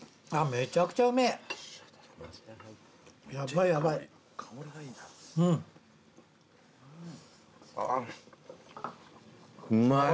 めちゃくちゃうまい。